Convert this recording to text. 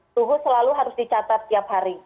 suhu selalu harus dicatat tiap hari